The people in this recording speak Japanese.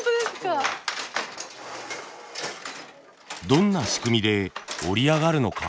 どんな仕組みで織り上がるのか。